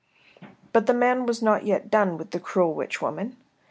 But the man was not yet done with the cruel witch woman.